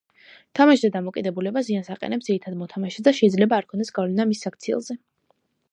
თამაშზე დამოკიდებულება ზიანს აყენებს ძირითადად მოთამაშეს და შეიძლება არ ჰქონდეს გავლენა მის საქციელზე.